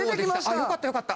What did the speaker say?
よかったよかった！